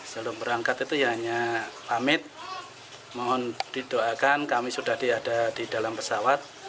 sebelum berangkat itu ya hanya pamit mohon didoakan kami sudah tiada di dalam pesawat